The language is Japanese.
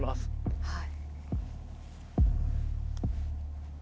はい。